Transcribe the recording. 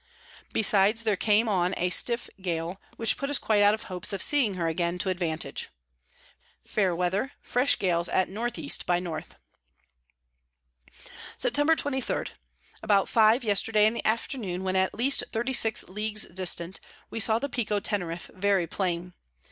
Besides, there came on a stiff Gale, which put us quite out of hopes of seeing her again to advantage. Fair Weather, fresh Gales at N E by N. Sept. 23. About five yesterday in the afternoon, when at least 36 Leagues distant, we saw the Pico Teneriff very plain.